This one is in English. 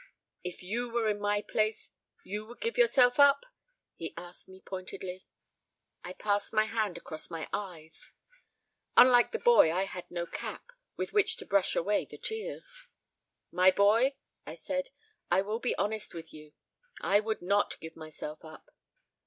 "If you were in my place you would give yourself up?" he asked me pointedly. I passed my hand across my eyes. Unlike the boy I had no cap with which to brush away the tears. "My boy," I said, "I will be honest with you I would not give myself up."